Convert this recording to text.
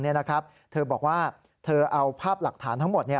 เธอบอกว่าเธอเอาภาพหลักฐานทั้งหมด